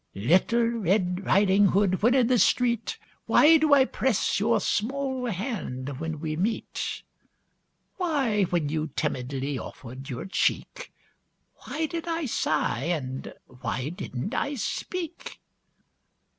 Little Red Riding Hood, when in the street, Why do I press your small hand when we meet? Why, when you timidly offered your cheek, Why did I sigh, and why didn't I speak?